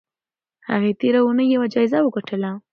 هغې تېره اونۍ یوه جایزه وګټله.